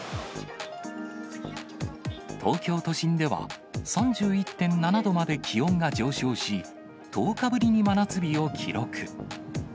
東京都心では、３１．７度まで気温が上昇し、１０日ぶりに真夏日を記録。